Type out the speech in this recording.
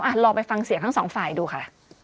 ลองไปฟังเสียงทั้งสองฝ่ายดูค่ะ